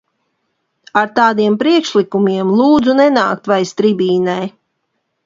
Ar tādiem priekšlikumiem lūdzu nenākt vairs tribīnē.